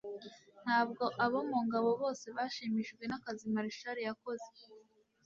Ntabwo abo mu ngabo bose bashimishijwe n'akazi Marshall yakoze,